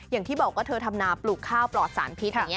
อย่างที่บอกว่าเธอทำนาปลูกข้าวปลอดสารพิษอย่างนี้